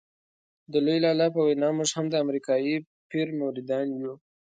د لوی لالا په وینا موږ هم د امریکایي پیر مریدان یو.